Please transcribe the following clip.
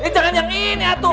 jangan nyangin ya tuh